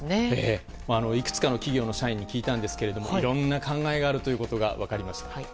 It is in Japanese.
いくつかの企業の社員に聞いたんですがいろんな考えがあるということが分かりました。